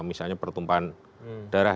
misalnya pertumpahan darah